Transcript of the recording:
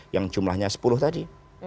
yang jumlahnya sepuluh tadi